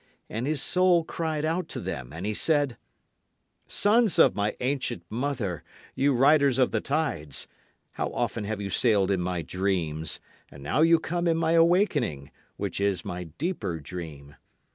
And his soul cried out to them, and he said: Sons of my ancient mother, you riders of the tides, How often have you sailed in my dreams. And now you come in my awakening, which is my deeper dream.